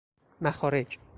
مخارج